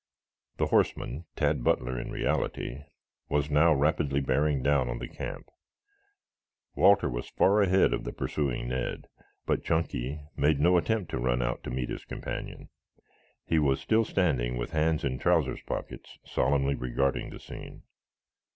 The horseman, Tad Butler in reality, was now rapidly bearing down on the camp. Walter was far ahead of the pursuing Ned, but Chunky made no attempt to run out to meet his companion. He was still standing with hands in trousers pockets solemnly regarding the scene.